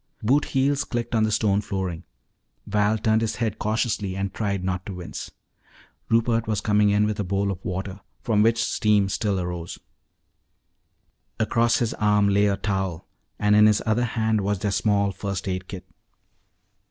Boot heels clicked on the stone flooring. Val turned his head cautiously and tried not to wince. Rupert was coming in with a bowl of water, from which steam still arose. Across his arm lay a towel and in his other hand was their small first aid kit.